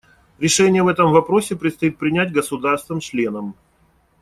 Решение в этом вопросе предстоит принять государствам-членам.